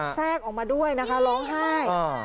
แทรกออกมาด้วยนะคะร้องไห้